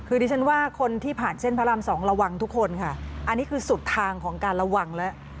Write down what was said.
คือดิฉันว่าคนที่ผ่านเส้นพระรามสองระวังทุกคนค่ะอันนี้คือสุดทางของการระวังแล้ว